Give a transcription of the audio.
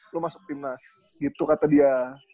lo masuk timnas gitu kata dia